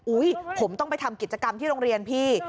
ผมต้องไปทำกิจกรรมที่โรงเรียนพี่